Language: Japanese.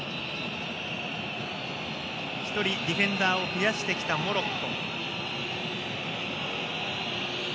１人、ディフェンダーを増やしてきたモロッコ。